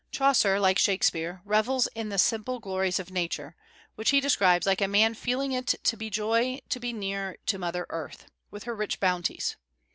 Chaucer, like Shakspeare, revels in the simple glories of nature, which he describes like a man feeling it to be a joy to be near to "Mother Earth," with her rich bounties.